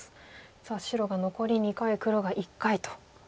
さあ白が残り２回黒が１回と。